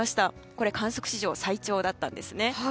これは観測史上最長だったんですね。